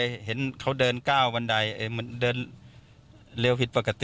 เข้าไปเห็นเขาเดินก้าวบันไดเหมือนเดินเรียวผิดปกติ